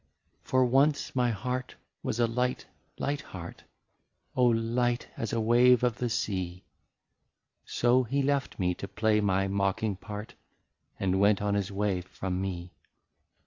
64 For once my heart was a light, light heart, Oh ! light as a wave of the sea, — Till he left me to play my mocking part, And went on his way from me.